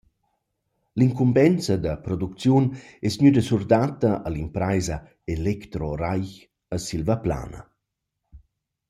L’incumbenza da producziun es gnüda surdatta a l’impraisa «Elektro-Reich» a Silvaplana.